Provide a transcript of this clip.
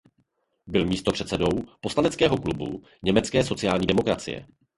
Byl místopředsedou poslaneckého klubu německé sociální demokracie.